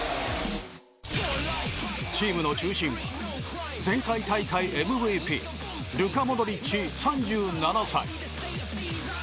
チームの中心は前回大会ＭＶＰルカ・モドリッチ、３７歳。